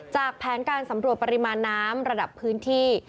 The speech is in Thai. แผนการสำรวจปริมาณน้ำระดับพื้นที่